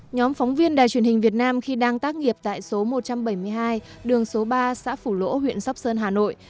nhóm phóng viên đài truyền hình việt nam khi đang tác nghiệp tại số một trăm bảy mươi hai đường số ba xã phủ lỗ huyện sóc sơn hà nội